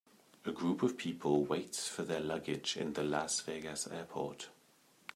A group of people waits for their luggage in the Las Vegas airport.